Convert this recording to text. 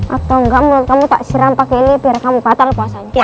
atau enggak mau kamu tak siram pake ini biar kamu patah loh puasanya